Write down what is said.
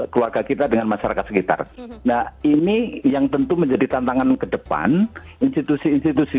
keluarga kita dengan masyarakat sekitar nah ini yang tentu menjadi tantangan kedepan institusi institusi